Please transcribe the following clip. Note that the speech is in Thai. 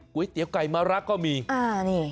๋เตี๋ยไก่มะรักก็มีอ่านี่